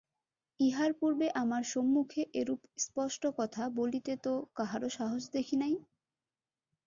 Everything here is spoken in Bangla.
ইহার পূর্বে আমার সম্মুখে এরূপ স্পষ্ট কথা বলিতে তো কাহারও সাহস দেখি নাই।